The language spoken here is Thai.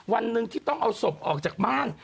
วันหนึ่งที่ต้องเอาศพออกจากบ้าน